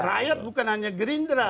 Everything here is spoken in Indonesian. rakyat bukan hanya gerindera